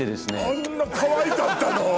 あんなかわいかったの？